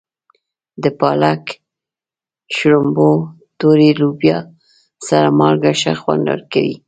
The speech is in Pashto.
د پالک، شړومبو، تورې لوبیا سره مالګه ښه خوند ورکوي.